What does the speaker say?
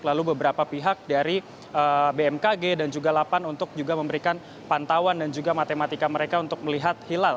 lalu beberapa pihak dari bmkg dan juga lapan untuk juga memberikan pantauan dan juga matematika mereka untuk melihat hilal